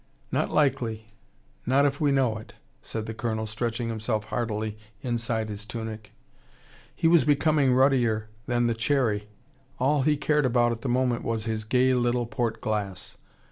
"Not likely. Not if we know it," said the Colonel, stretching himself heartily inside his tunic. He was becoming ruddier than the cherry. All he cared about at the moment was his gay little port glass.